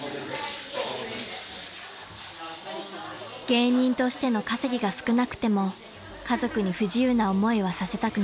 ［芸人としての稼ぎが少なくても家族に不自由な思いはさせたくない］